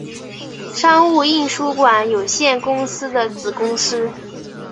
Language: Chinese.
商务印书馆有限公司的子公司。